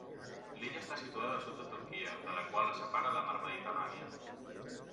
L'illa està situada al sud de Turquia, de la qual la separa la mar Mediterrània.